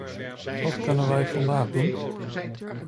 Wat kunnen wij vandaag doen?